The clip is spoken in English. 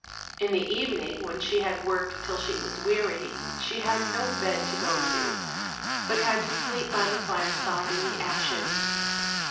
In the evening when she had worked till she was weary she had no bed to go to, but had to sleep by the fireside in the ashes.